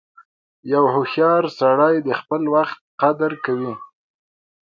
• یو هوښیار سړی د خپل وخت قدر کوي.